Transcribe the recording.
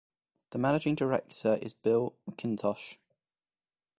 The managing director is Bill McIntosh.